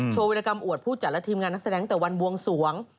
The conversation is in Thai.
วิรากรรมอวดผู้จัดและทีมงานนักแสดงแต่วันบวงสวง